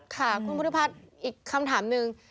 ค่ะคุณพุทธิพัฒน์อีกคำถามหนึ่ง